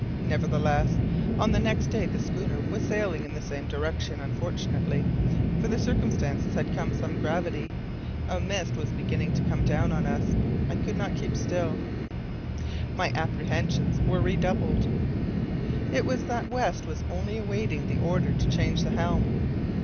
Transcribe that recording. Nevertheless, on the next day the schooner was sailing in the same direction. Unfortunately for the circumstance had some gravity a mist was beginning to come down on us. I could not keep still, I confess. My apprehensions were redoubled. It was evident that West was only awaiting the order to change the helm.